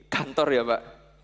kantor ya pak